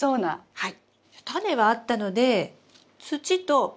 はい。